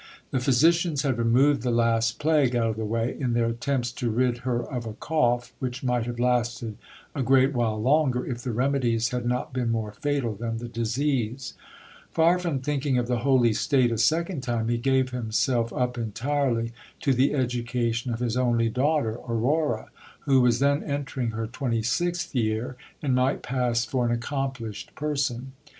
The pnysicians had removed the last plague out of the way, in their attempts to rid GIL BLAS. her of a cough, which might have lasted a great while longer, if the remedies had not been more fatal than the disease. Far from thinking of the holy state a second time, he gave himself up entirely to the education of his only daughter Aurora, who was then entering her twenty sixth year, and might pass for an accomplished person.